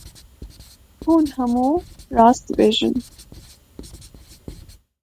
Hûn hemû rast dibêjin.